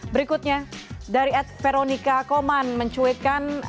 berikutnya dari ed veronica koman mencuitkan